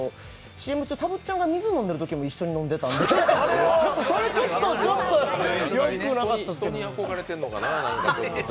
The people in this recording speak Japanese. ＣＭ中、たぶっちゃんが水飲んでるときも一緒に飲んでたんでそれ、ちょっとよくなかったかなと。